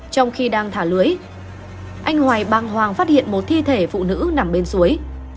trong khi đang thả lưới anh hoài bàng hoàng phát hiện một thi thể phụ nữ nằm bên suối